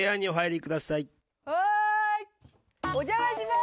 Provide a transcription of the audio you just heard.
はい。